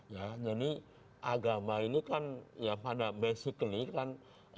ya jadi agama ini kan ya pada basically kan